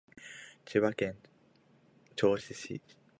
千葉県銚子市